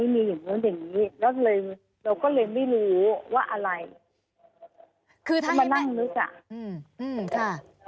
มีอย่างนู้นอย่างนี้แล้วเลยเราก็เลยไม่รู้ว่าอะไรคือถ้ามานั่งนึกอ่ะอืมค่ะ